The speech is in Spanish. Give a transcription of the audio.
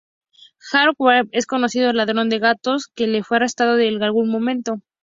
Walter Hardy es un conocido ladrón de gatos que fue arrestado en algún momento.